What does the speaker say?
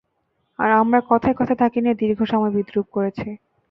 আর, আমরা কথায় কথায় তাকে নিয়ে দীর্ঘ সময় বিদ্রূপ করেছি।